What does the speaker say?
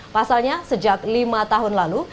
pasalnya sejak lima tahun lalu